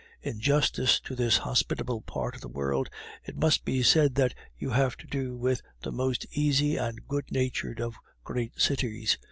In justice to this hospitable part of the world, it must be said that you have to do with the most easy and good natured of great cities.